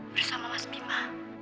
bersama mas bima